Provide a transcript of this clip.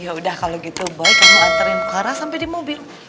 yaudah kalau gitu boy kamu anterin clara sampai di mobil